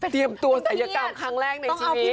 ตัวศัยกรรมครั้งแรกในชีวิต